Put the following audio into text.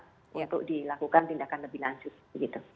untuk dilakukan tindakan lebih lanjut begitu